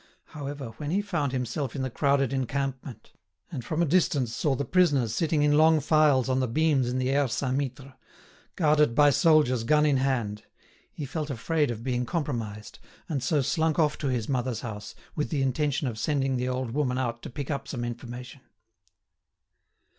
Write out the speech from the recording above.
However, when he found himself in the crowded encampment, and from a distance saw the prisoners sitting in long files on the beams in the Aire Saint Mittre, guarded by soldiers gun in hand, he felt afraid of being compromised, and so slunk off to his mother's house, with the intention of sending the old woman out to pick up some information.